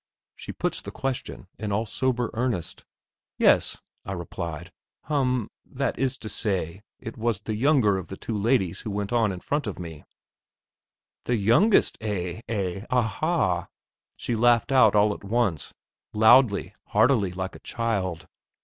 She puts the question in all sober earnest. "Yes," I replied. "Hum m, that is to say, it was the younger of the two ladies who went on in front of me." "The youngest, eh? eh? a a ha!" she laughed out all at once, loudly, heartily, like a child.